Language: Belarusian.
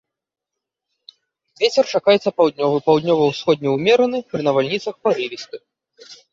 Вецер чакаецца паўднёвы, паўднёва-ўсходні ўмераны, пры навальніцах парывісты.